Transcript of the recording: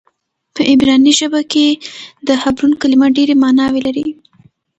په عبراني ژبه کې د حبرون کلمه ډېرې معناوې لري.